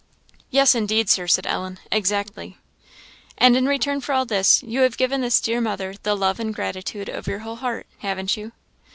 "Yes, indeed, Sir," said Ellen "exactly." "And in return for all this, you have given this dear mother the love and gratitude of your whole heart, haven't you?"